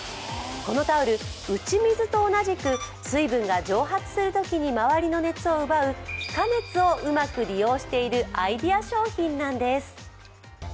このタオル、打ち水と同じく水分が蒸発するときに周りの熱を奪う気化熱をうまく利用しているアイデア商品なんです。